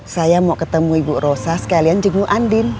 saya mau ketemu ibu rosa sekalian jenggu endin